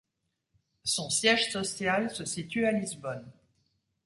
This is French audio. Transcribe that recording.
Son siège social se situe à Lisbonne.